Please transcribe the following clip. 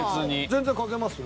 全然書けますよ。